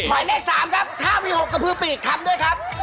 หมายเลข๓ครับถ้ามี๖กระพือปีกทำด้วยครับ